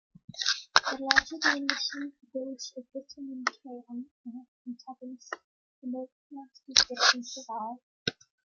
The larger the initial dose of vitamin K-antagonist, the more pronounced these differences are.